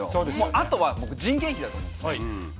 あとは人件費だと思うんですね。